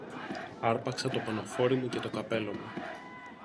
Άρπαξα το πανωφόρι μου και το καπέλλο μου